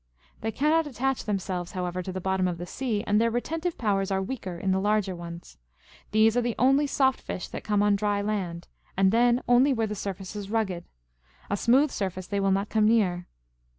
They cannot attach them selves, however, to the bottom of the sea, and their reten tive powers are weaker in the larger ones. These are the only^^ soft fish that come on dry land, and then only where the surface is rugged : a smooth surface they will not come near.